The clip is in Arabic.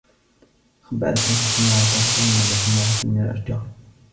خبّأ سامي سيّارته بين مجموعة من الأشجار.